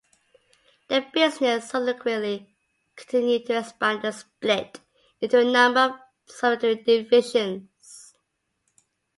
The business subsequently continued to expand and split into a number of subsidiary divisions.